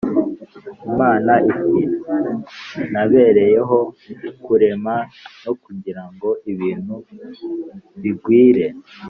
imana iti:” nabereyeho kurema no kugirango ibintu bigwire